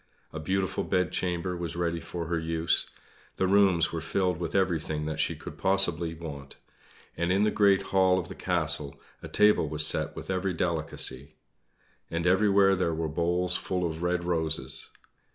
A beautiful bedchamber was ready for her use; the rooms were filled with everything that she could possibly want, and in the great hall of the castle a table was set with every delicacy. And everywhere there were bowls full of red roses.